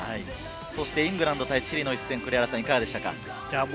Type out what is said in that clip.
イングランド対チリの一戦はいかがでしたか？